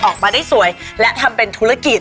ออกมาได้สวยและทำเป็นธุรกิจ